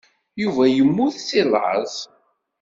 Yuba yemmut seg laẓ.